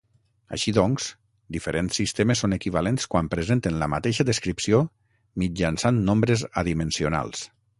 Així doncs, diferents sistemes són equivalents quan presenten la mateixa descripció mitjançant nombres adimensionals.